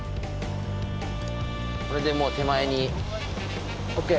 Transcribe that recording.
これでもう手前に。